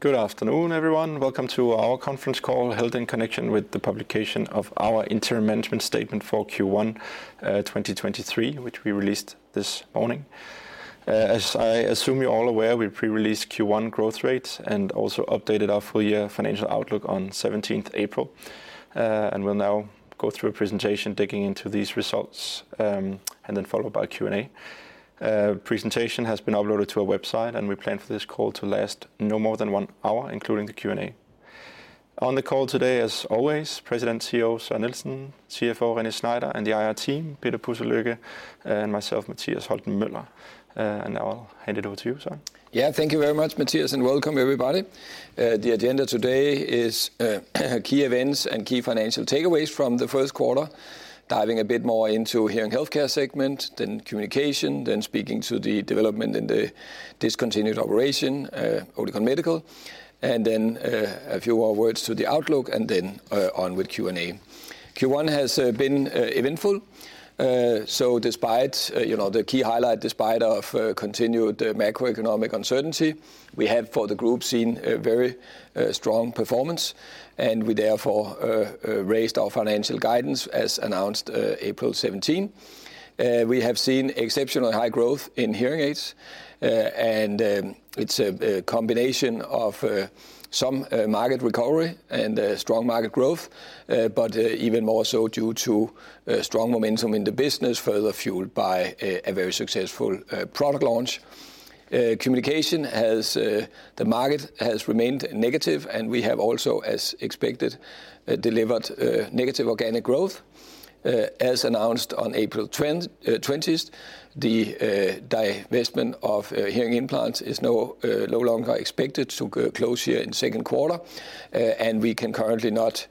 Good afternoon, everyone. Welcome to our conference call, held in connection with the publication of our interim management statement for Q1, 2023, which we released this morning. As I assume you're all aware, we pre-released Q1 growth rates and also updated our full year financial outlook on 17th April. We'll now go through a presentation digging into these results, and then followed by Q&A. Presentation has been uploaded to our website and we plan for this call to last no more than one hour including the Q&A. On the call today, as always, President CEO Søren Nielsen, CFO René Schneider, and the IR team, Peter Pudselykke, and myself, Mathias Holten Møller. Now I'll hand it over to you, Søren. Yeah. Thank you very much, Mathias, welcome everybody. The agenda today is key events and key financial takeaways from the first quarter, diving a bit more into hearing healthcare segment, then communication, then speaking to the development in the discontinued operation, Oticon Medical, a few more words to the outlook, on with Q&A. Q1 has been eventful. Despite, you know, the key highlight, despite of continued macroeconomic uncertainty, we have, for the group, seen a very strong performance, we therefore raised our financial guidance as announced April 17. We have seen exceptionally high growth in hearing aids and it's a combination of some market recovery and strong market growth, but even more so due to strong momentum in the business further fueled by a very successful product launch. Communication has the market has remained negative and we have also, as expected, delivered negative organic growth. As announced on April 20th, the divestment of hearing implants is no longer expected to close here in second quarter, and we can currently not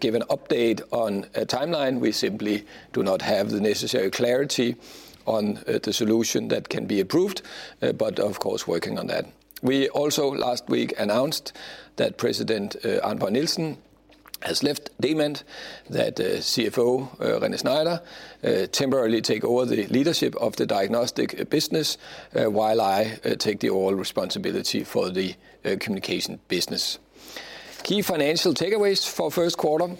give an update on a timeline. We simply do not have the necessary clarity on the solution that can be approved, but of course, working on that. We also last week announced that President, Arne Boye Nielsen has left Demant, that CFO, René Schneider, temporarily take over the leadership of the diagnostic business, while I take the all responsibility for the communication business. Key financial takeaways for first quarter,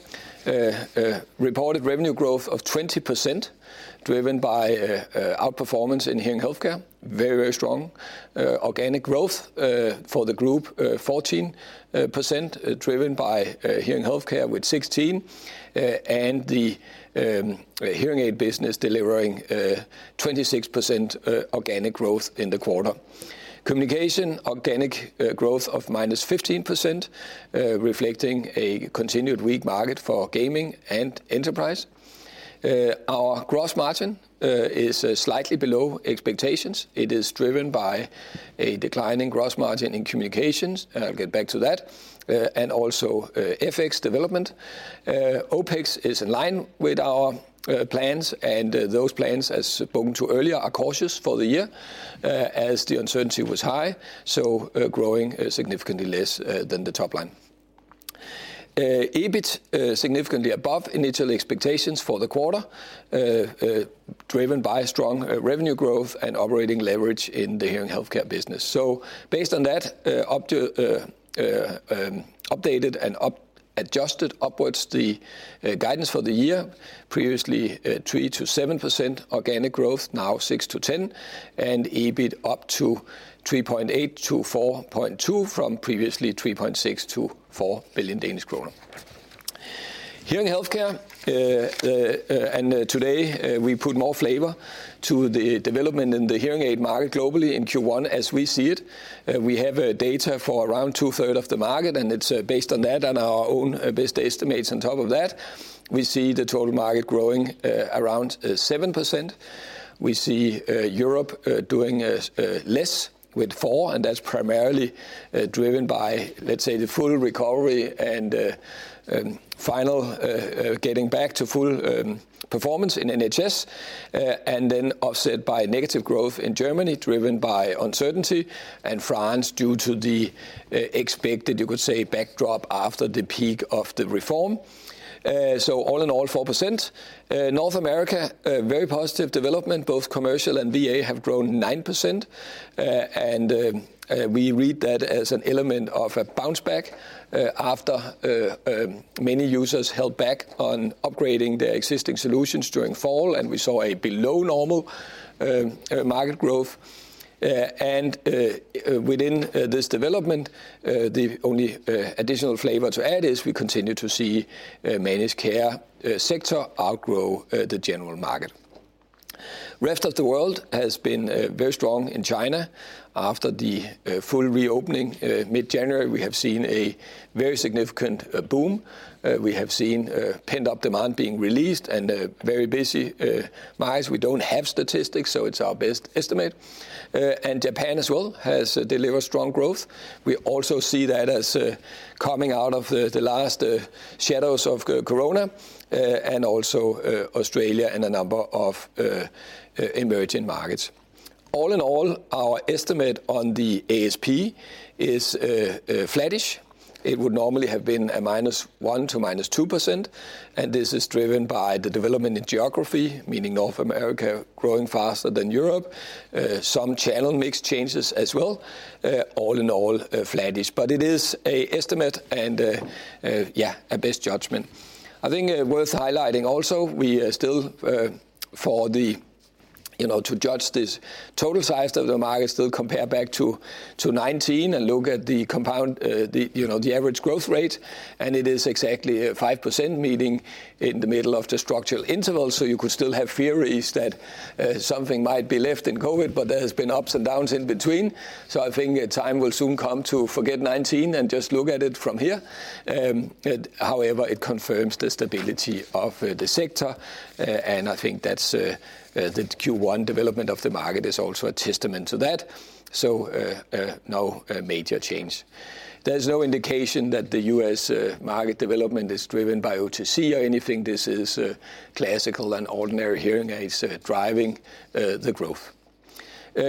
reported revenue growth of 20%, driven by outperformance in hearing healthcare. Very, very strong. Organic growth for the group, 14%, driven by hearing healthcare with 16%, and the hearing aid business delivering 26% organic growth in the quarter. Communication, organic growth of -15%, reflecting a continued weak market for gaming and enterprise. Our gross margin is slightly below expectations. It is driven by a decline in gross margin in communications, and I'll get back to that, and also FX development. OpEx is in line with our plans and those plans, as spoken to earlier, are cautious for the year, as the uncertainty was high, so growing significantly less than the top line. EBIT significantly above initial expectations for the quarter, driven by strong revenue growth and operating leverage in the hearing healthcare business. Based on that, up to updated and adjusted upwards the guidance for the year, previously 3%-7% organic growth, now 6%-10%, and EBIT up to 3.8 billion-4.2 billion from previously 3.6 billion-4 billion Danish kroner. Hearing healthcare, and today we put more flavor to the development in the hearing aid market globally in Q1 as we see it. We have data for around two-third of the market, and it's based on that and our own best estimates on top of that. We see the total market growing around 7%. We see Europe doing less with 4%, and that's primarily driven by, let's say, the full recovery and final getting back to full performance in NHS, and then offset by negative growth in Germany, driven by uncertainty and France due to the expected, you could say, backdrop after the peak of the reform. All in all, 4%. North America, a very positive development. Both commercial and VA have grown 9%, and we read that as an element of a bounce back after many users held back on upgrading their existing solutions during fall, and we saw a below normal market growth. Within this development, the only additional flavor to add is we continue to see managed care sector outgrow the general market. Rest of the world has been very strong in China. After the full reopening mid-January, we have seen a very significant boom. We have seen pent-up demand being released and a very busy market. We don't have statistics, so it's our best estimate. Japan as well has delivered strong growth. We also see that as coming out of the last shadows of co-corona, and also Australia and a number of emerging markets. All in all, our estimate on the ASP is flattish. It would normally have been a -1% to -2%, and this is driven by the development in geography, meaning North America growing faster than Europe, some channel mix changes as well, all in all, flattish. It is a estimate and a, yeah, a best judgment. I think worth highlighting also, we still for the, you know, to judge this total size of the market, still compare back to 2019 and look at the compound, the, you know, average growth rate, and it is exactly a 5% meeting in the middle of the structural interval. You could still have theories that something might be left in COVID, but there has been ups and downs in between. I think a time will soon come to forget 2019 and just look at it from here. However, it confirms the stability of the sector and I think that's the Q1 development of the market is also a testament to that. No major change. There's no indication that the U.S. market development is driven by OTC or anything. This is classical and ordinary hearing aids driving the growth.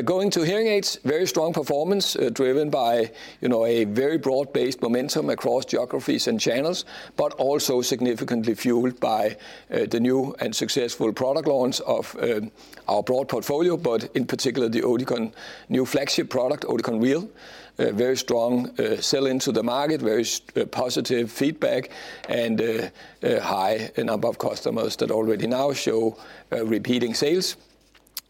Going to hearing aids, very strong performance, driven by, you know, a very broad-based momentum across geographies and channels, but also significantly fueled by the new and successful product launch of our broad portfolio. In particular, the Oticon new flagship product, Oticon Real, a very strong sell into the market, very positive feedback and a high number of customers that already now show repeating sales.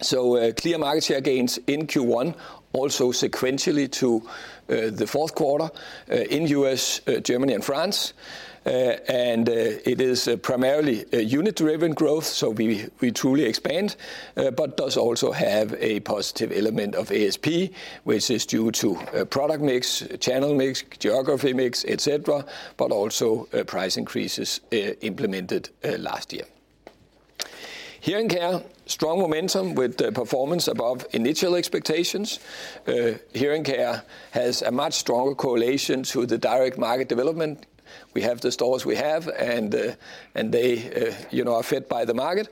Clear market share gains in Q1, also sequentially to the fourth quarter in US, Germany and France. It is primarily unit-driven growth, so we truly expand, but does also have a positive element of ASP, which is due to product mix, channel mix, geography mix, etc., but also price increases implemented last year. Hearing care, strong momentum with performance above initial expectations. Hearing care has a much stronger correlation to the direct market development. We have the stores we have, and they, you know, are fed by the market,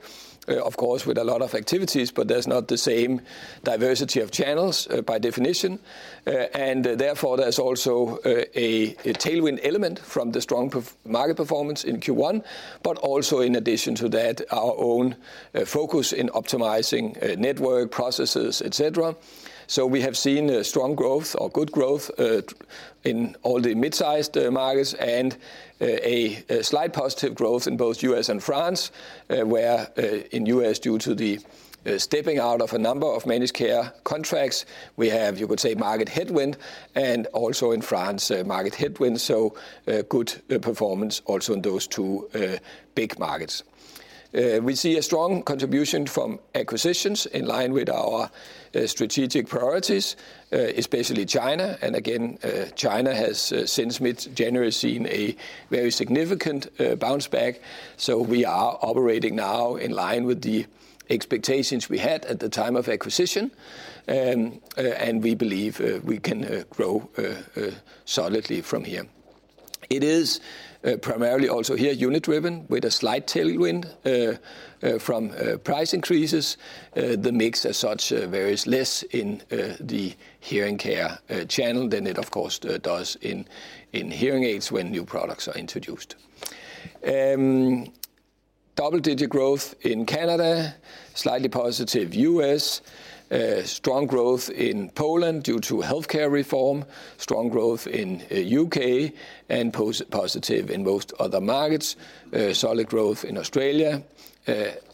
of course, with a lot of activities, but there's not the same diversity of channels by definition. Therefore, there's also a tailwind element from the strong market performance in Q1, but also in addition to that, our own focus in optimizing network processes, etc. We have seen a strong growth or good growth in all the mid-sized markets and a slight positive growth in both U.S. and France, where in U.S., due to the stepping out of a number of managed care contracts, we have, you could say, market headwind and also in France, market headwind. A good performance also in those two big markets. We see a strong contribution from acquisitions in line with our strategic priorities, especially China. Again, China has since mid-January seen a very significant bounce back. We are operating now in line with the expectations we had at the time of acquisition. We believe we can grow solidly from here. It is primarily also here unit driven with a slight tailwind from price increases. The mix as such varies less in the hearing care channel than it of course does in hearing aids when new products are introduced. Double-digit growth in Canada, slightly positive U.S., strong growth in Poland due to healthcare reform, strong growth in U.K., and positive in most other markets, solid growth in Australia,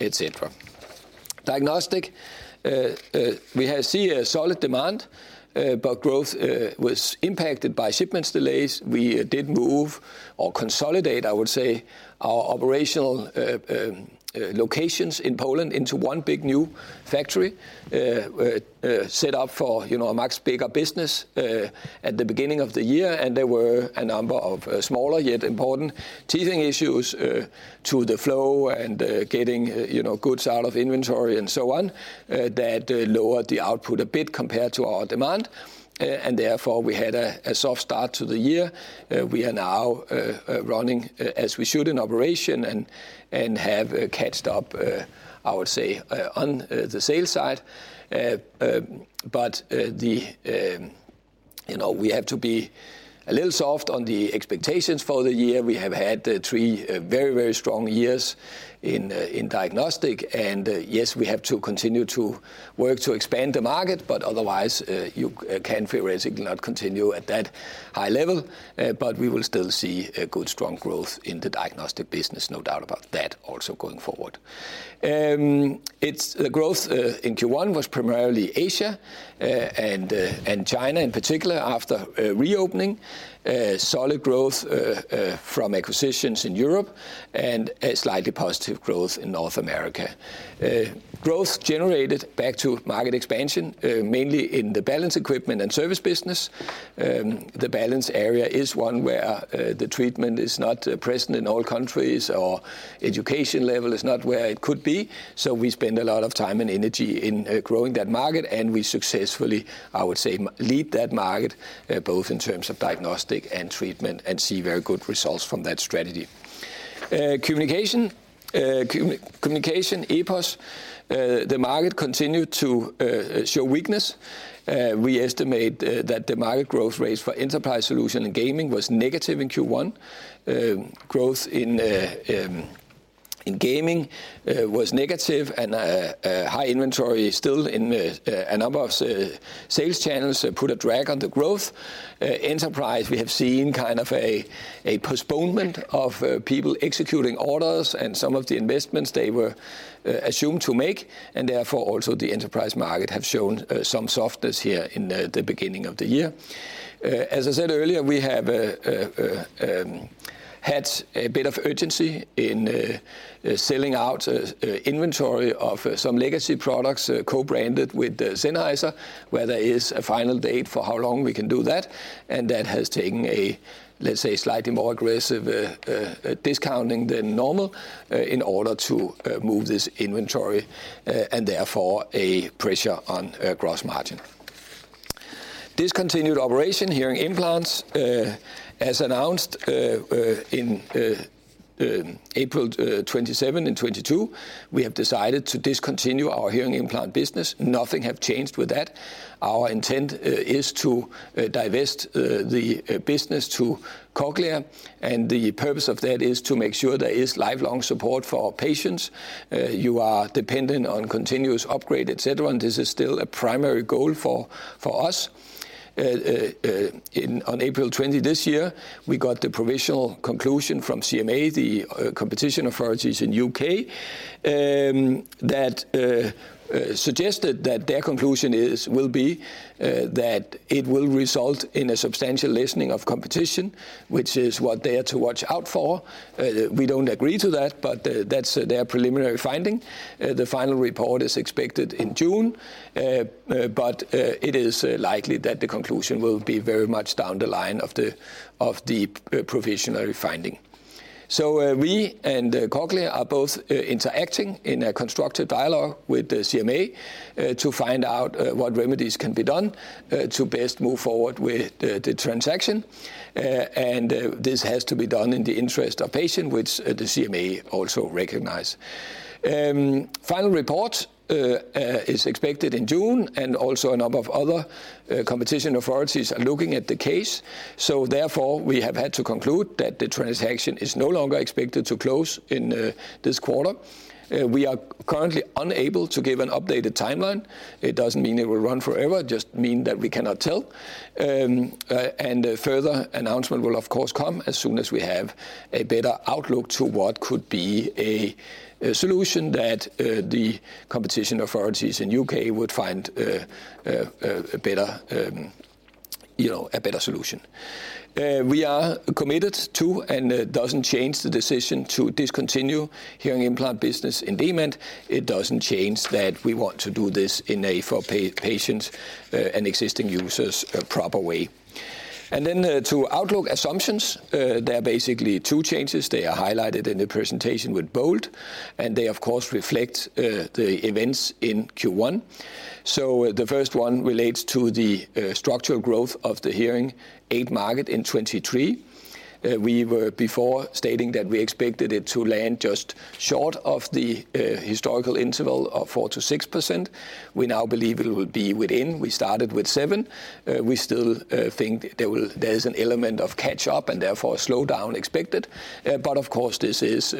etc. Diagnostic, we have see a solid demand, but growth was impacted by shipments delays. We did move or consolidate, I would say, our operational locations in Poland into one big new factory set up for, you know, a much bigger business at the beginning of the year. There were a number of smaller, yet important teething issues to the flow and getting, you know, goods out of inventory and so on, that lowered the output a bit compared to our demand. Therefore, we had a soft start to the year. We are now running as we should in operation and have catched up, I would say, on the sales side. You know, we have to be a little soft on the expectations for the year. We have had three very, very strong years in diagnostic. Yes, we have to continue to work to expand the market, but otherwise, you can theoretically not continue at that high level. We will still see a good, strong growth in the diagnostic business, no doubt about that, also going forward. It's the growth in Q1 was primarily Asia, and China in particular, after reopening, solid growth from acquisitions in Europe and a slightly positive growth in North America. Growth generated back to market expansion, mainly in the balance equipment and service business. The balance area is one where the treatment is not present in all countries or education level is not where it could be. We spend a lot of time and energy in growing that market, and we successfully, I would say, lead that market, both in terms of diagnostic and treatment and see very good results from that strategy. Communication, EPOS, the market continued to show weakness. We estimate that the market growth rates for enterprise solution and gaming was negative in Q1. Growth in gaming was negative and high inventory still in a number of sales channels put a drag on the growth. Enterprise, we have seen kind of a postponement of people executing orders and some of the investments they were assumed to make and therefore also the enterprise market have shown some softness here in the beginning of the year. As I said earlier, we have had a bit of urgency in selling out inventory of some legacy products co-branded with Sennheiser, where there is a final date for how long we can do that. That has taken a, let's say, slightly more aggressive discounting than normal in order to move this inventory and therefore a pressure on gross margin. Discontinued operation hearing implants, as announced in April 27 in 2022, we have decided to discontinue our hearing implant business. Nothing have changed with that. Our intent is to divest the business to Cochlear and the purpose of that is to make sure there is lifelong support for our patients. You are dependent on continuous upgrade, et cetera, and this is still a primary goal for us. On April 20 this year, we got the provisional conclusion from CMA, the competition authorities in U.K., that suggested that their conclusion is will be that it will result in a substantial lessening of competition, which is what they are to watch out for. We don't agree to that, but that's their preliminary finding. The final report is expected in June, but it is likely that the conclusion will be very much down the line of the provisional finding. We and Cochlear are both interacting in a constructive dialogue with the CMA to find out what remedies can be done to best move forward with the transaction. And this has to be done in the interest of patient, which the CMA also recognize. Final report is expected in June and also a number of other competition authorities are looking at the case. Therefore, we have had to conclude that the transaction is no longer expected to close in this quarter. We are currently unable to give an updated timeline. It doesn't mean it will run forever, it just mean that we cannot tell. A further announcement will of course come as soon as we have a better outlook to what could be a solution that the competition authorities in U.K. would find a better, you know, a better solution. We are committed to, and it doesn't change the decision to discontinue hearing implant business in Demant. It doesn't change that we want to do this in a for patient and existing users a proper way. To outlook assumptions, there are basically two changes. They are highlighted in the presentation with bold, and they of course reflect the events in Q1. The first one relates to the structural growth of the hearing aid market in 2023. We were before stating that we expected it to land just short of the historical interval of 4%-6%. We now believe it will be within. We started with seven. We still think there is an element of catch up and therefore a slowdown expected. Of course, this is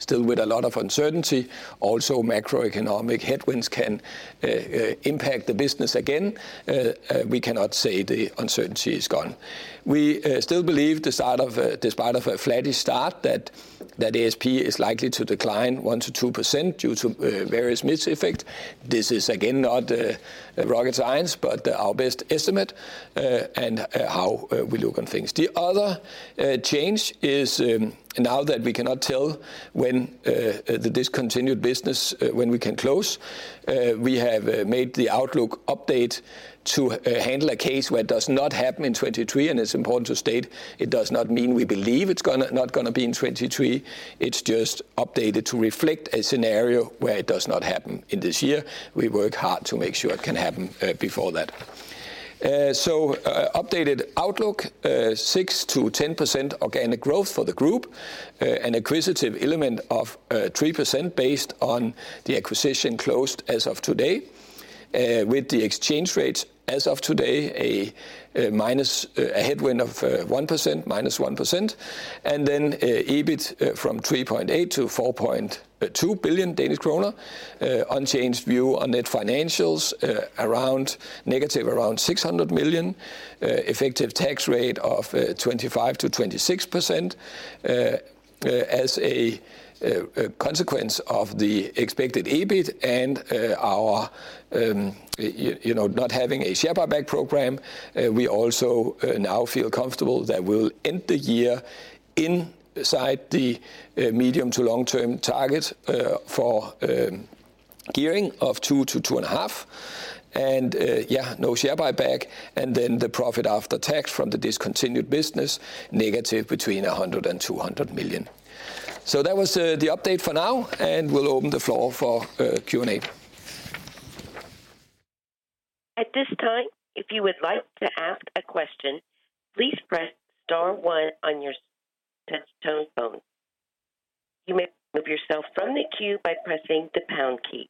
still with a lot of uncertainty. Also, macroeconomic headwinds can impact the business again. We cannot say the uncertainty is gone. We still believe despite of a flattish start that ASP is likely to decline 1%-2% due to various mix effect. This is again not rocket science, but our best estimate and how we look on things. The other change is now that we cannot tell when the discontinued business, when we can close, we have made the outlook update to handle a case where it does not happen in 2023. It's important to state it does not mean we believe it's gonna, not gonna be in 2023. It's just updated to reflect a scenario where it does not happen in this year. We work hard to make sure it can happen before that. Updated outlook, 6%-10% organic growth for the group, an acquisitive element of 3% based on the acquisition closed as of today, with the exchange rate as of today a minus, a headwind of -1%, and then EBIT from 3.8 billion to 4.2 billion Danish kroner, unchanged view on net financials, around negative around 600 million, effective tax rate of 25%-26%, as a consequence of the expected EBIT and our, you know, not having a share buyback program. We also now feel comfortable that we'll end the year inside the medium to long-term target for gearing of 2 to 2.5. Yeah, no share buyback, and then the profit after tax from the discontinued business negative between 100 million and 200 million. That was the update for now, and we'll open the floor for Q&A. At this time, if you would like to ask a question, please press star one on your touch-tone phone. You may remove yourself from the queue by pressing the pound key.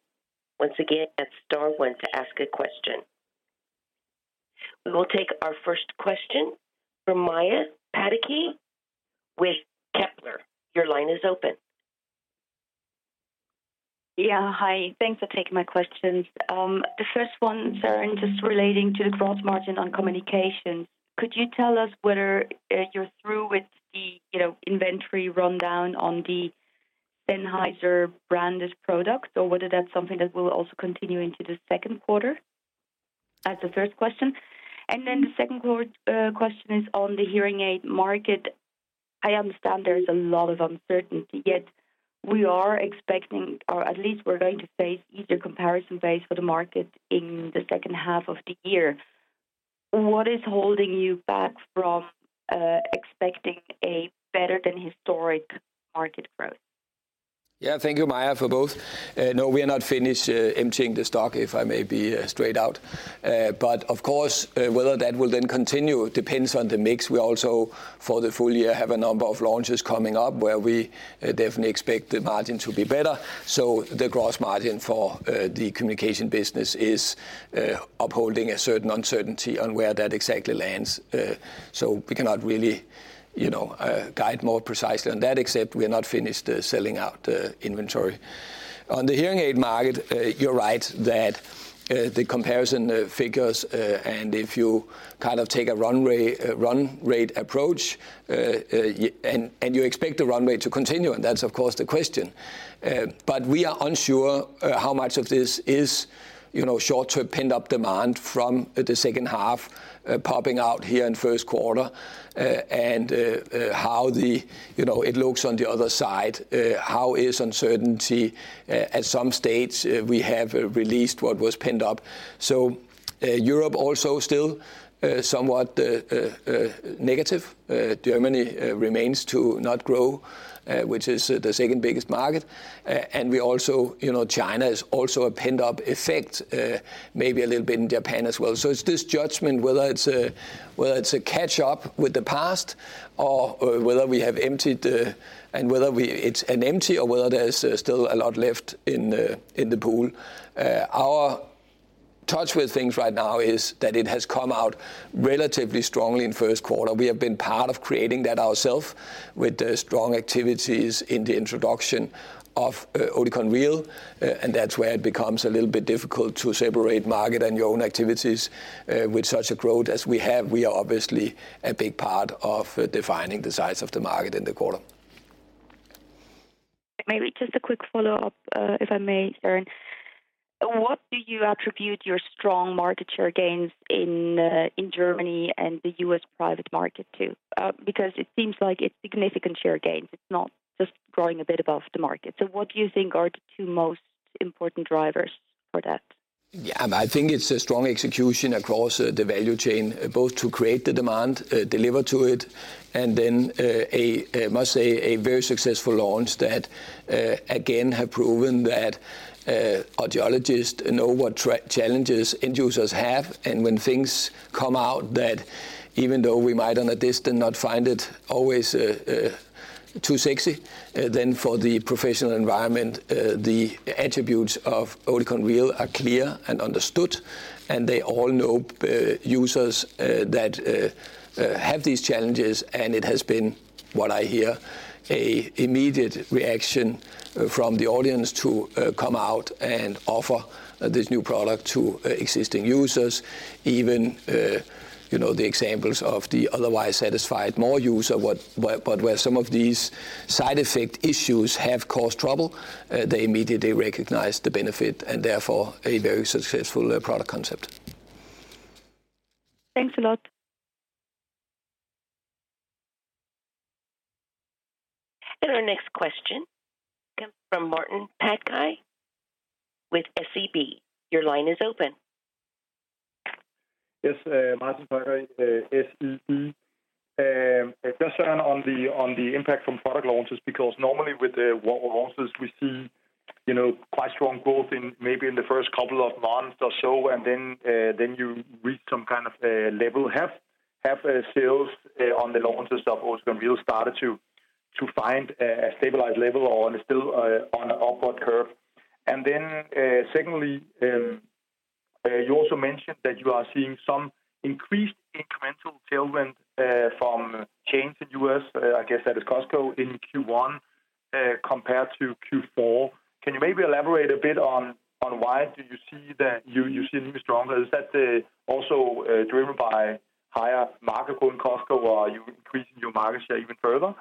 Once again, that's star one to ask a question. We will take our first question from Maja Pataki with Kepler. Your line is open. Yeah, hi. Thanks for taking my questions. The first one, Søren, just relating to the gross margin on communication. Could you tell us whether you're through with the, you know, inventory rundown on the Sennheiser brandish products, or whether that's something that will also continue into the second quarter? That's the first question. The second question is on the hearing aid market. I understand there's a lot of uncertainty, yet we are expecting, or at least we're going to face easier comparison base for the market in the second half of the year. What is holding you back from expecting a better than historic market growth? Thank you, Maja, for both. No, we are not finished emptying the stock, if I may be straight out. Of course, whether that will continue depends on the mix. We also, for the full year have a number of launches coming up where we definitely expect the margin to be better. The gross margin for the communication business is upholding a certain uncertainty on where that exactly lands. We cannot really, you know, guide more precisely on that except we are not finished selling out the inventory. On the hearing aid market, you're right that the comparison figures and if you kind of take a run rate approach, and you expect the run rate to continue, and that's of course the question. We are unsure how much of this is, you know, short-term pent-up demand from the second half, popping out here in first quarter, and how the, you know, it looks on the other side, how is uncertainty. At some states, we have released what was pent up. Europe also still somewhat negative. Germany remains to not grow, which is the second biggest market. We also, you know, China is also a pent-up effect, maybe a little bit in Japan as well. It's this judgment whether it's a catch up with the past or whether we have emptied, and whether it's an empty or whether there's still a lot left in the pool. Our touch with things right now is that it has come out relatively strongly in first quarter. We have been part of creating that ourself with the strong activities in the introduction of Oticon Real, and that's where it becomes a little bit difficult to separate market and your own activities. With such a growth as we have, we are obviously a big part of defining the size of the market in the quarter. Maybe just a quick follow-up, if I may, Søren. What do you attribute your strong market share gains in Germany and the U.S. private market to? Because it seems like it's significant share gains. It's not just growing a bit above the market. What do you think are the two most important drivers for that? Yeah. I think it's a strong execution across the value chain, both to create the demand, deliver to it, and then, I must say, a very successful launch that, again, have proven that, audiologists know what challenges end users have. When things come out that even though we might on a distant not find it always, too sexy, then for the professional environment, the attributes of Oticon Real are clear and understood, and they all know, users, that, have these challenges. It has been, what I hear, a immediate reaction from the audience to come out and offer this new product to existing users. Even, you know, the examples of the otherwise satisfied more user where some of these side effect issues have caused trouble, they immediately recognize the benefit and therefore a very successful product concept. Thanks a lot. Our next question comes from Martin Parkhøi with SEB. Your line is open. Yes, Martin Parkhøi, SEB. Just then on the impact from product launches, because normally with the launches we see, you know, quite strong growth in maybe in the first couple of months or so, then then you reach some kind of a level. Have sales on the launches of Oticon Real started to find a stabilized level or on a still on a upward curve? Secondly, you also mentioned that you are seeing some increased incremental tailwind from chains in U.S., I guess that is Costco, in Q1 compared to Q4. Can you maybe elaborate a bit on why do you see that you see it even stronger? Is that also driven by higher market growth in Costco, or are you increasing your market share even further?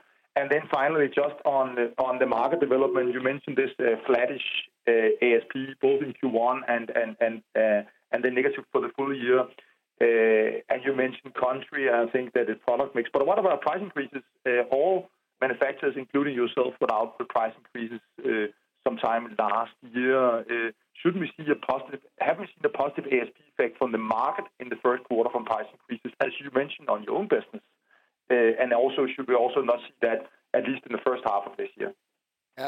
Finally, just on the market development, you mentioned this flattish ASP both in Q1 and then negative for the full year. You mentioned country, I think that is product mix. What about price increases? All manufacturers, including yourself, put out the price increases sometime in the last year. Shouldn't we see a positive ASP effect from the market in the first quarter from price increases, as you mentioned on your own business? Also, should we also not see that at least in the first half of this year?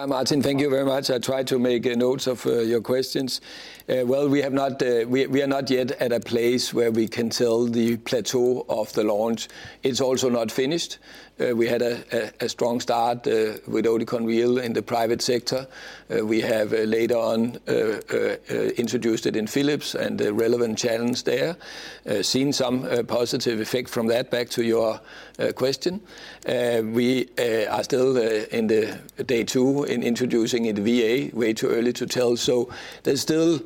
Martin, thank you very much. I tried to make notes of your questions. Well, we have not, we are not yet at a place where we can tell the plateau of the launch. It's also not finished. We had a strong start with Oticon Real in the private sector. We have later on introduced it in Philips and the relevant channels there. Seen some positive effect from that. Back to your question. We are still in the day two in introducing it VA, way too early to tell. There's still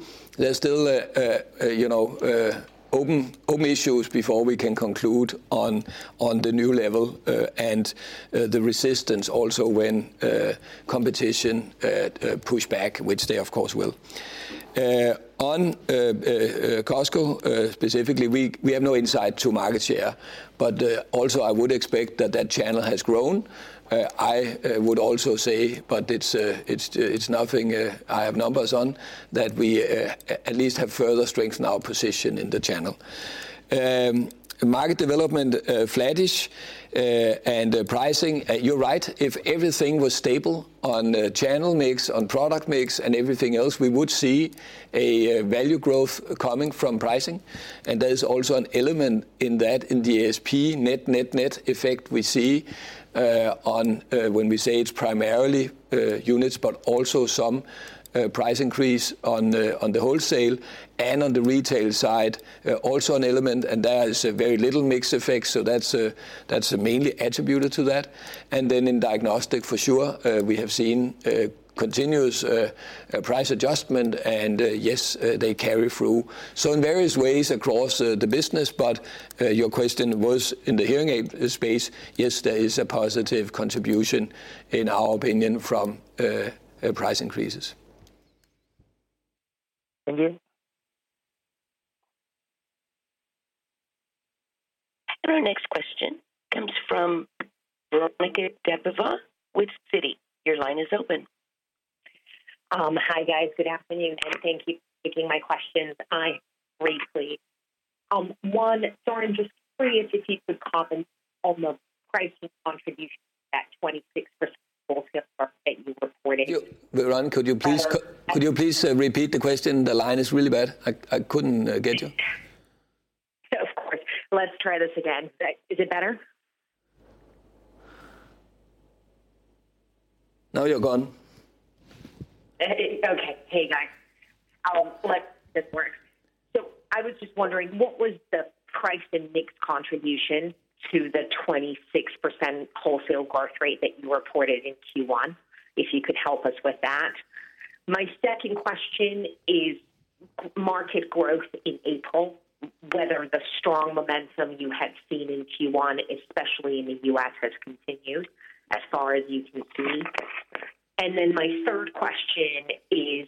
a, you know, open issues before we can conclude on the new level and the resistance also when competition push back, which they of course will. On Costco specifically, we have no insight to market share. Also I would expect that that channel has grown. I would also say, it's nothing I have numbers on, that we at least have further strengthened our position in the channel. Market development flattish, pricing, you're right. If everything was stable on channel mix, on product mix and everything else, we would see a value growth coming from pricing. There's also an element in that in the ASP net, net effect we see on when we say it's primarily units, but also some price increase on the on the wholesale and on the retail side, also an element. There is a very little mix effect, so that's mainly attributed to that. Then in diagnostic, for sure, we have seen continuous price adjustment and yes, they carry through. In various ways across the business, but your question was in the hearing aid space. Yes, there is a positive contribution, in our opinion, from price increases. Thank you. Our next question comes from Veronika Dubajova with Citi. Your line is open. Hi, guys. Good afternoon, and thank you for taking my questions. I'm briefly. One, Søren, just curious if you could comment on the pricing contribution to that 26% wholesale growth that you reported. Veronika, could you please repeat the question? The line is really bad. I couldn't get you. Of course. Let's try this again. Is it better? Now you're gone. Okay. Hey, guys. I'll let this work. I was just wondering, what was the price and mix contribution to the 26% wholesale growth rate that you reported in Q1? If you could help us with that. My second question is market growth in April, whether the strong momentum you had seen in Q1, especially in the US, has continued as far as you can see. My third question is,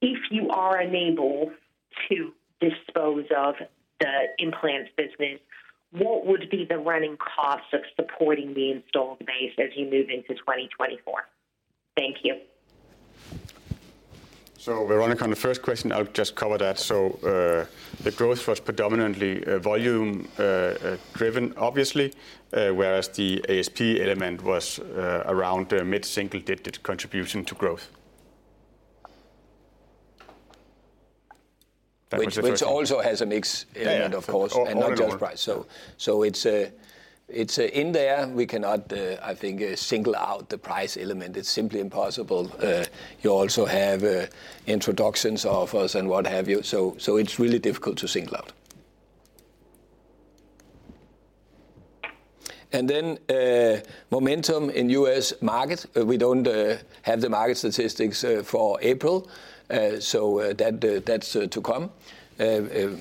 if you are unable to dispose of the implants business, what would be the running costs of supporting the installed base as you move into 2024? Thank you. Veronika, on the first question, I'll just cover that. The growth was predominantly, volume driven obviously, whereas the ASP element was around mid-single digit contribution to growth. Which also has a mix element, of course. Yeah. Not just price. It's in there, we cannot, I think, single out the price element. It's simply impossible. You also have introductions, offers and what have you. It's really difficult to single out. Momentum in U.S. market, we don't have the market statistics for April, so that that's to come.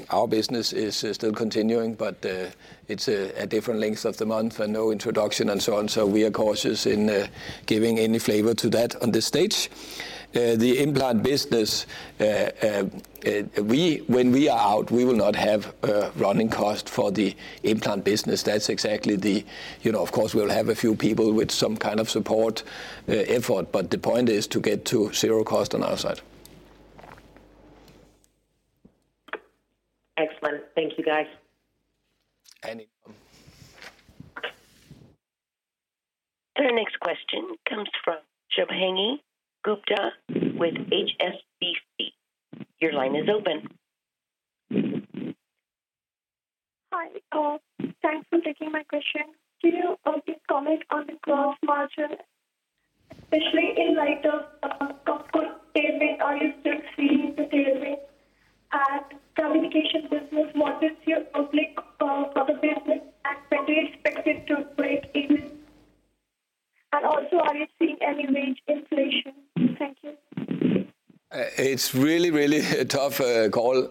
Our business is still continuing, but it's a different length of the month and no introduction and so on. We are cautious in giving any flavor to that on this stage. The implant business, when we are out, we will not have running cost for the implant business. That's exactly the, you know, of course, we'll have a few people with some kind of support, effort, but the point is to get to zero cost on our side. Excellent. Thank you, guys. Any time. The next question comes from Shubhangi Gupta with HSBC. Your line is open. Hi, thanks for taking my question. Can you just comment on the gross margin, especially in light of Costco tailwind? Are you still seeing the tailwind? Communication business, what is your outlook for the business? When do you expect it to break even? Also, are you seeing any wage inflation? Thank you. It's really, really a tough call.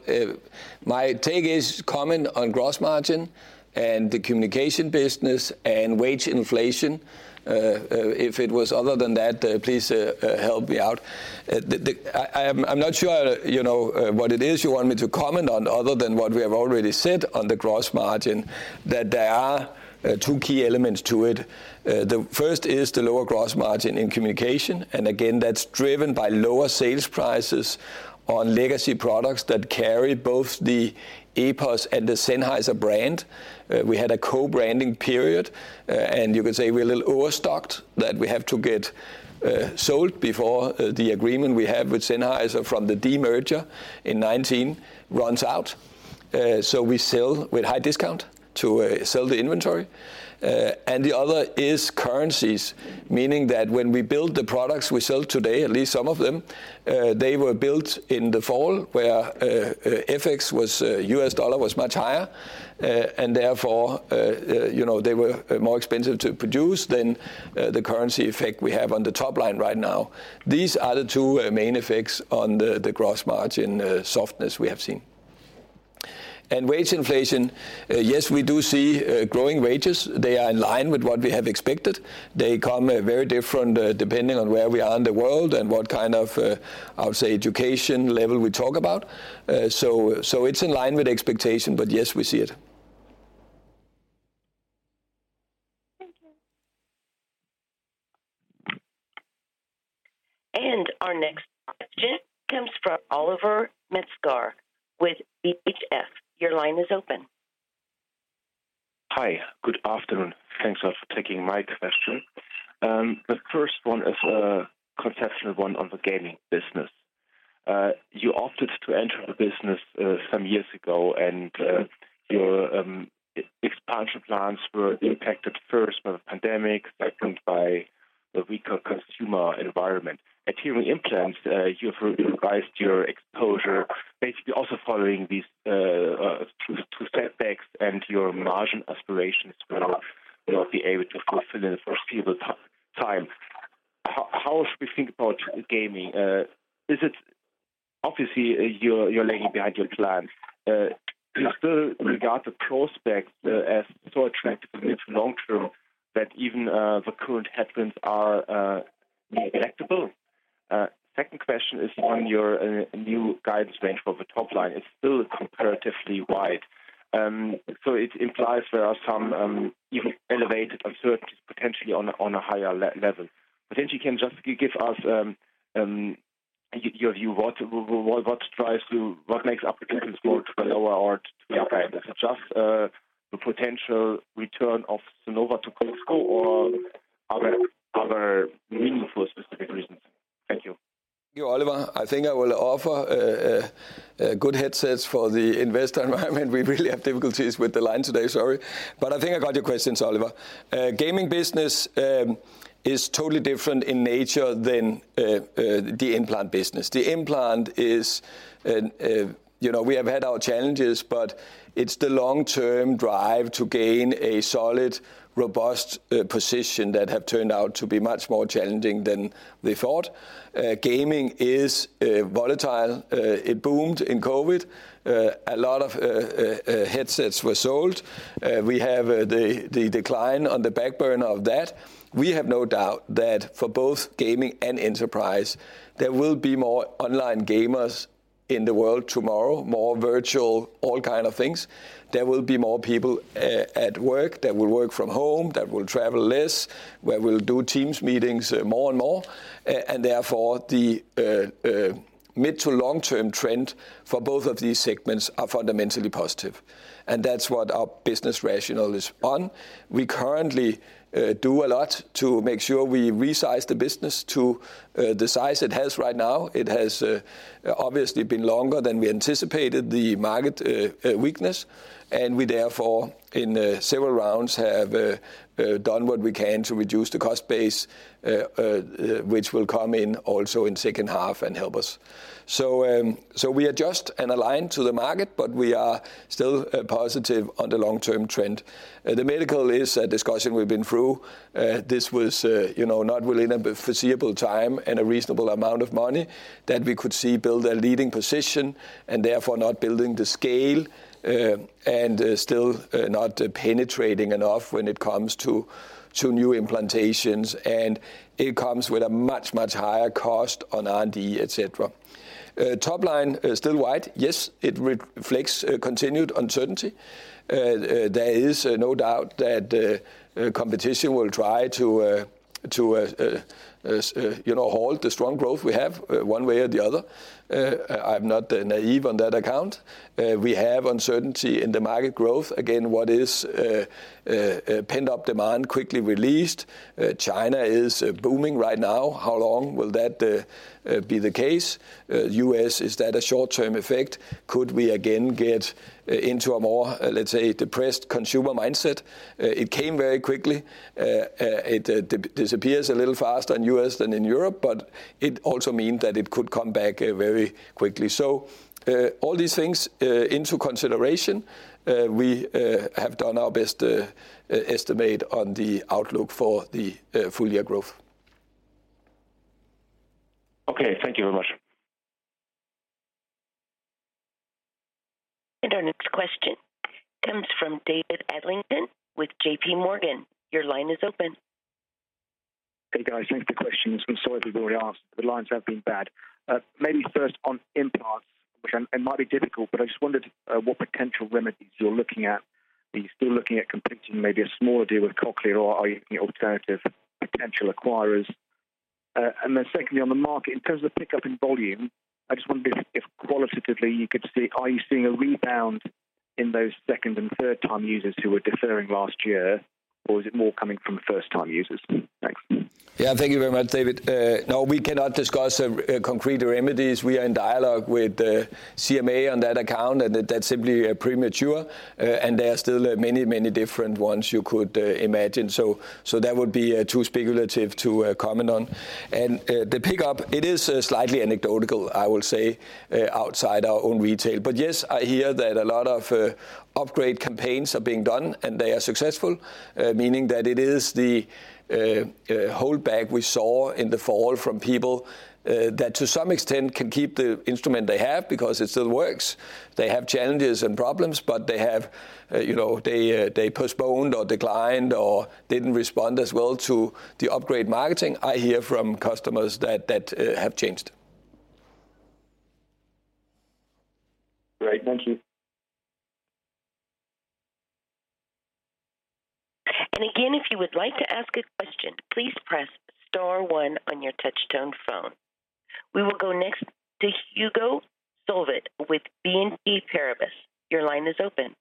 My take is comment on gross margin and the communication business and wage inflation. If it was other than that, please help me out. I'm not sure, you know, what it is you want me to comment on other than what we have already said on the gross margin, that there are two key elements to it. The first is the lower gross margin in communication, and again, that's driven by lower sales prices on legacy products that carry both the EPOS and the Sennheiser brand. We had a co-branding period and you could say we're a little overstocked that we have to get sold before the agreement we have with Sennheiser from the demerger in nineteen runs out. So we sell with high discount to sell the inventory. And the other is currencies, meaning that when we build the products we sell today, at least some of them, they were built in the fall where FX was US dollar was much higher. And therefore, you know, they were more expensive to produce than the currency effect we have on the top line right now. These are the two, uh, main effects on the, the gross margin softness we have seen. And wage inflation, yes, we do see growing wages. They are in line with what we have expected. They come very different depending on where we are in the world and what kind of, I would say, education level we talk about. It's in line with expectation, but yes, we see it. Thank you. Our next question comes from Oliver Metzger with BHF. Your line is open. Hi. Good afternoon. Thanks for taking my question. The first one is a conceptual one on the gaming business. You opted to enter the business, some years ago, and your expansion plans were impacted first by the pandemic, second by the weaker consumer environment. At Hearing Implants, you've revised your exposure, basically also following these two setbacks and your margin aspirations will not be able to fulfill in the foreseeable time. How should we think about gaming? Is it. Obviously, you're lagging behind your plan. Do you still regard the prospects as so attractive in the long term that even the current headwinds are neglectable? Second question is on your new guidance range for the top line is still comparatively wide. It implies there are some even elevated uncertainties potentially on a, on a higher level. Potentially can just give us your view, what drives to, what makes applications more to the lower or to the upper end? Is it just the potential return of Sonova to Costco or other meaningful specific reasons? Thank you. Thank you, Oliver. I think I will offer good headsets for the investor environment. We really have difficulties with the line today. Sorry. I think I got your questions, Oliver. Gaming business is totally different in nature than the implant business. The implant is, you know, we have had our challenges, but it's the long-term drive to gain a solid, robust position that have turned out to be much more challenging than we thought. Gaming is volatile. It boomed in COVID. A lot of headsets were sold. We have the decline on the back burner of that. We have no doubt that for both gaming and enterprise, there will be more online gamers in the world tomorrow, more virtual, all kind of things. There will be more people at work that will work from home, that will travel less, where we'll do Teams meetings more and more. Therefore, the mid to long-term trend for both of these segments are fundamentally positive. That's what our business rationale is on. We currently do a lot to make sure we resize the business to the size it has right now. It has obviously been longer than we anticipated the market weakness. We, therefore, in several rounds have done what we can to reduce the cost base, which will come in also in second half and help us. We adjust and align to the market, but we are still positive on the long-term trend. The medical is a discussion we've been through. This was, you know, not really in a foreseeable time and a reasonable amount of money that we could see build a leading position and therefore not building the scale and still not penetrating enough when it comes to new implantations. It comes with a much higher cost on R&D, etc. Top line is still wide. Yes, it reflects continued uncertainty. There is no doubt that competition will try to halt the strong growth we have one way or the other. I'm not naive on that account. We have uncertainty in the market growth. Again, what is pent-up demand quickly released. China is booming right now. How long will that be the case? U.S., is that a short-term effect? Could we again get into a more, let's say, depressed consumer mindset? It came very quickly. It disappears a little faster in U.S. than in Europe, but it also mean that it could come back very quickly. All these things into consideration, we have done our best estimate on the outlook for the full year growth. Okay. Thank you very much. Our next question comes from David Adlington with JPMorgan. Your line is open. Hey, guys. Thanks for the questions. I'm sorry if we've already asked, the lines have been bad. Maybe first on implants, which it might be difficult, but I just wondered what potential remedies you're looking at. Are you still looking at completing maybe a smaller deal with Cochlear or are you looking at alternative potential acquirers? Then secondly, on the market, in terms of pickup in volume, I just wondered if qualitatively you could see, are you seeing a rebound in those second and third time users who were deferring last year? Is it more coming from first time users? Thanks. Yeah. Thank you very much, David. No, we cannot discuss concrete remedies. We are in dialogue with the CMA on that account, and that's simply premature. There are still many, many different ones you could imagine. That would be too speculative to comment on. The pickup, it is slightly anecdotal, I will say, outside our own retail. Yes, I hear that a lot of upgrade campaigns are being done, and they are successful, meaning that it is the holdback we saw in the fall from people that to some extent can keep the instrument they have because it still works. They have challenges and problems, but they have, you know, they postponed or declined or didn't respond as well to the upgrade marketing. I hear from customers that have changed. Great. Thank you. Again, if you would like to ask a question, please press star one on your touch tone phone. We will go next to Hugo Solvet with BNP Paribas. Your line is open.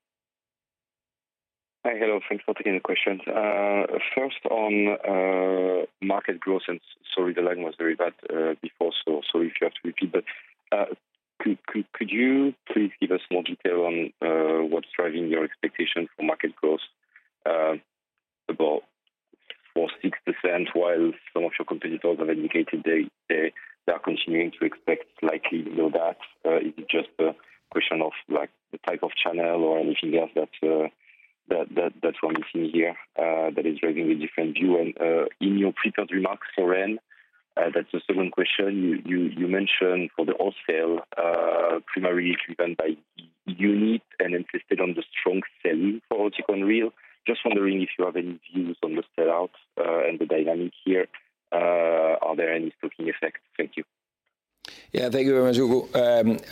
Hi. Hello. Thanks for taking the questions. First on market growth. Sorry, the line was very bad before, so sorry if you have to repeat. Could you please give us more detail on what's driving your expectation for market growth about 4%-6%, while some of your competitors have indicated they are continuing to expect slightly below that? Is it just a question of, like, the type of channel or anything else that that's what I'm seeing here, that is driving the different view? In your prepared remarks, Søren, that's the second question. You mentioned for the wholesale, primarily driven by unit and insisted on the strong sell-in for Oticon Real. Just wondering if you have any views on the sellout, and the dynamic here. Are there any stocking effects? Thank you. Yeah. Thank you very much, Hugo.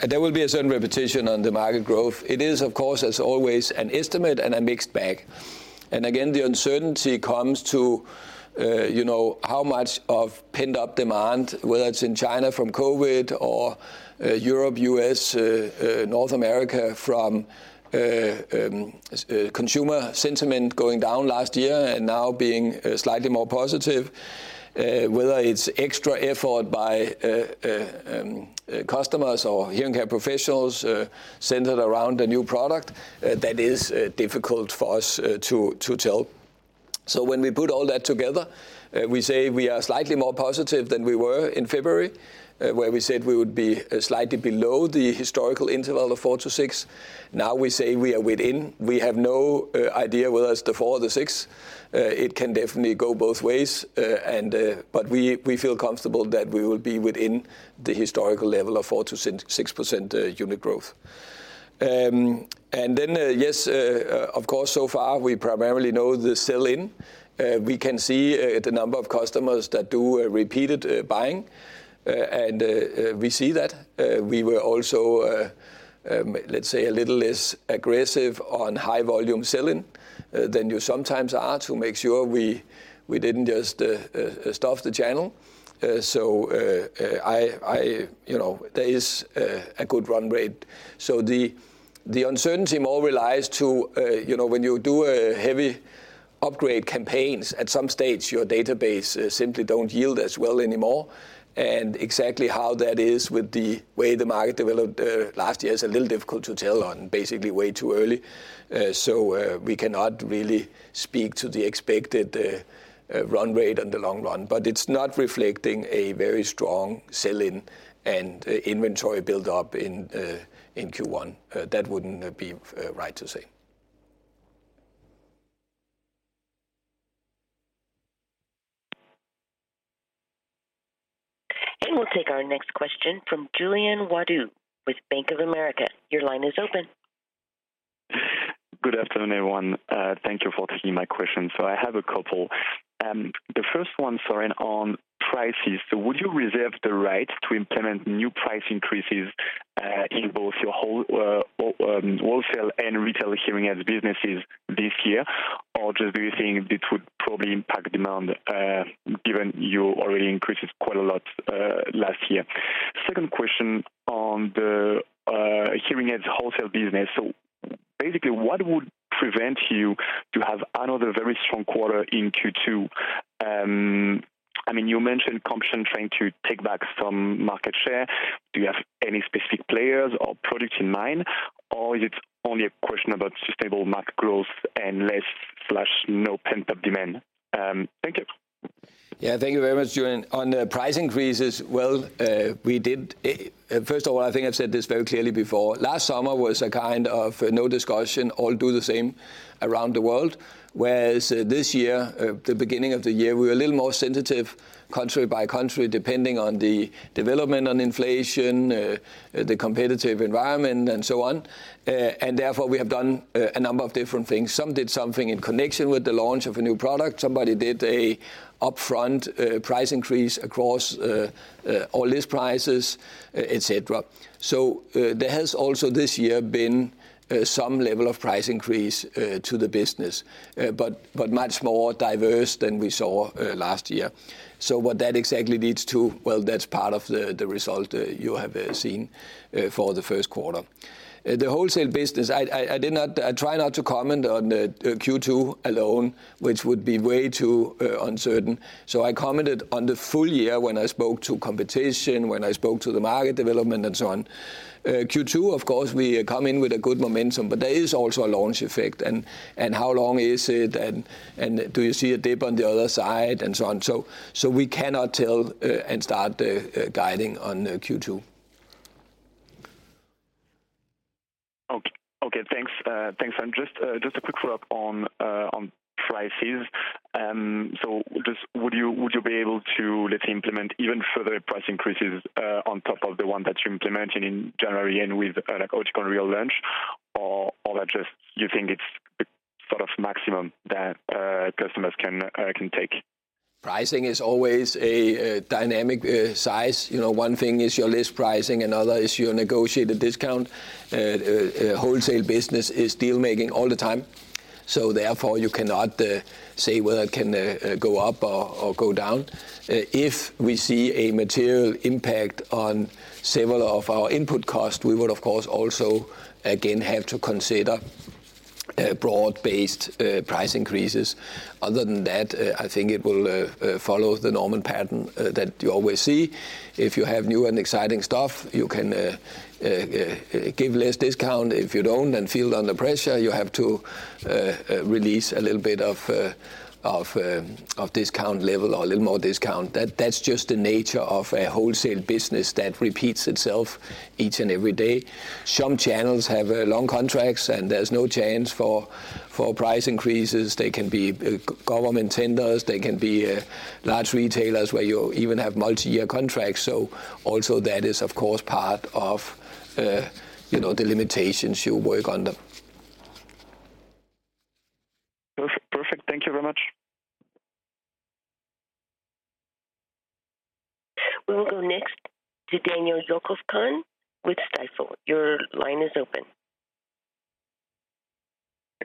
There will be a certain repetition on the market growth. It is, of course, as always, an estimate and a mixed bag. Again, the uncertainty comes to, you know, how much of pent-up demand, whether it's in China from COVID or Europe, U.S., North America from consumer sentiment going down last year and now being slightly more positive. Whether it's extra effort by customers or hearing care professionals, centered around a new product, that is difficult for us to tell. When we put all that together, we say we are slightly more positive than we were in February, where we said we would be slightly below the historical interval of four to six. Now we say we are within. We have no idea whether it's the four or the six. It can definitely go both ways. We feel comfortable that we will be within the historical level of 4%-6% unit growth. Yes, of course, so far we primarily know the sell-in. We can see the number of customers that do repeated buying, and we see that. We were also, let's say a little less aggressive on high volume sell-in than you sometimes are to make sure we didn't just stuff the channel. You know, there is a good run rate. The uncertainty more relies to, you know, when you do heavy upgrade campaigns, at some stage, your database simply don't yield as well anymore. Exactly how that is with the way the market developed last year is a little difficult to tell on. Basically, way too early. We cannot really speak to the expected run rate on the long run. It's not reflecting a very strong sell-in and inventory buildup in Q1. That wouldn't be right to say. We'll take our next question from Julien Ouaddour with Bank of America. Your line is open. Good afternoon, everyone. Thank you for taking my question. I have a couple. The first one, Søren, on prices. Would you reserve the right to implement new price increases in both your wholesale and retail hearing aid businesses this year? Do you think this would probably impact demand, given you already increased it quite a lot last year? Second question on the hearing aids wholesale business. Basically, what would prevent you to have another very strong quarter in Q2? I mean, you mentioned competition trying to take back some market share. Do you have any specific players or products in mind, or is it only a question about sustainable market growth and less slash no pent-up demand? Thank you. Thank you very much, Julien. On the price increases, we did first of all, I think I've said this very clearly before. Last summer was a kind of no discussion, all do the same around the world. This year, the beginning of the year, we were a little more sensitive country by country, depending on the development on inflation, the competitive environment and so on. Therefore, we have done a number of different things. Some did something in connection with the launch of a new product. Somebody did a upfront price increase across all list prices, etc. There has also this year been some level of price increase to the business, but much more diverse than we saw last year. What that exactly leads to, well, that's part of the result you have seen for the first quarter. The wholesale business, I try not to comment on Q2 alone, which would be way too uncertain. I commented on the full year when I spoke to competition, when I spoke to the market development and so on. Q2, of course, we come in with a good momentum, but there is also a launch effect and how long is it and do you see a dip on the other side and so on. we cannot tell and start guiding on Q2. Okay, thanks. Just, just a quick follow-up on prices. Just would you be able to, let's say, implement even further price increases on top of the one that you're implementing in January and with, like, Oticon Real launch? That just you think it's sort of maximum that customers can take? Pricing is always a dynamic size. You know, one thing is your list pricing, another is your negotiated discount. Wholesale business is deal-making all the time, so therefore you cannot say whether it can go up or go down. If we see a material impact on several of our input costs, we would, of course, also again, have to consider broad-based price increases. Other than that, I think it will follow the normal pattern that you always see. If you have new and exciting stuff, you can give less discount. If you don't, then feel under pressure, you have to release a little bit of discount level or a little more discount. That's just the nature of a wholesale business that repeats itself each and every day. Some channels have long contracts. There's no chance for price increases. They can be government tenders. They can be large retailers where you even have multi-year contracts. Also that is, of course, part of, you know, the limitations you work under. Perfect. Thank you very much. We will go next to Daniel Jelovcan with Stifel. Your line is open.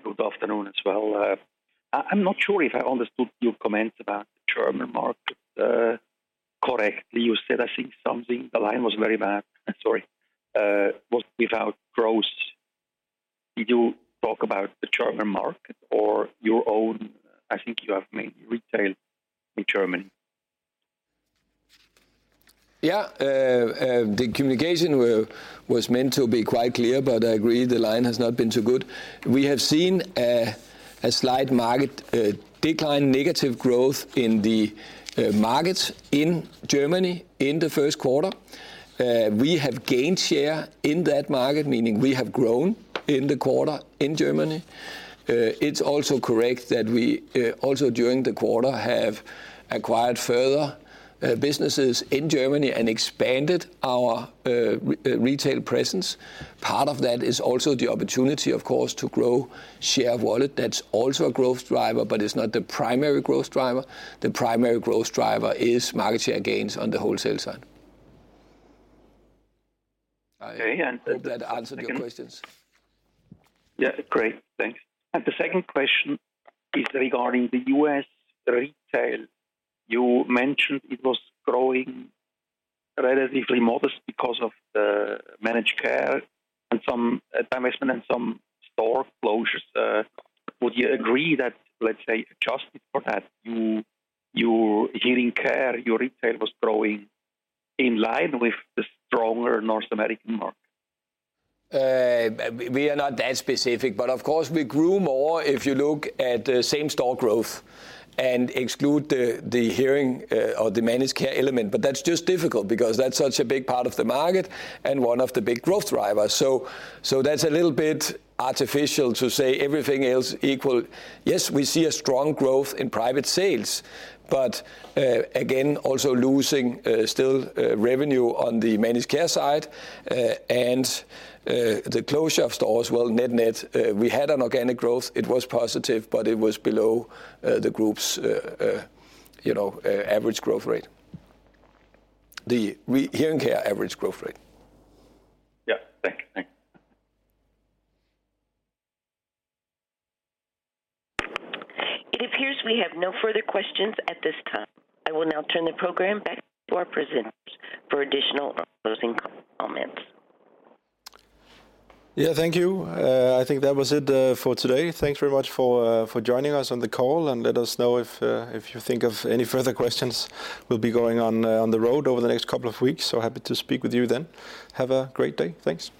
Good afternoon as well. I'm not sure if I understood your comments about the German market correctly. You said, I think something, the line was very bad. Sorry. Was without growth. Did you talk about the German market or your own? I think you have made retail in Germany. Yeah. The communication was meant to be quite clear, but I agree the line has not been too good. We have seen a slight market decline negative growth in the markets in Germany in the first quarter. We have gained share in that market, meaning we have grown in the quarter in Germany. It's also correct that we also during the quarter have acquired further businesses in Germany and expanded our retail presence. Part of that is also the opportunity, of course, to grow share of wallet. That's also a growth driver, but it's not the primary growth driver. The primary growth driver is market share gains on the wholesale side. Okay. I hope that answered your questions. Yeah. Great. Thanks. The second question is regarding the U.S. retail. You mentioned it was growing relatively modest because of managed care and some divestment and some store closures. Would you agree that, let's say, adjusted for that, you hearing care, your retail was growing in line with the stronger North American market? We are not that specific, but of course, we grew more if you look at the same store growth and exclude the hearing or the managed care element. That's just difficult because that's such a big part of the market and one of the big growth drivers. That's a little bit artificial to say everything else equal. Yes, we see a strong growth in private sales, but again, also losing still revenue on the managed care side and the closure of stores. Well, net-net, we had an organic growth. It was positive, but it was below the group's, you know, average growth rate. The hearing care average growth rate. Yeah. Thank you. Thanks. It appears we have no further questions at this time. I will now turn the program back to our presenters for additional or closing comments. Yeah. Thank you. I think that was it for today. Thanks very much for joining us on the call and let us know if you think of any further questions. We'll be going on the road over the next couple of weeks, so happy to speak with you then. Have a great day. Thanks.